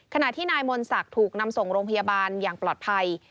ขณะที่นายมนศักดิ์ถูกนำส่งโรงพยาบาลอย่างปลอดภัย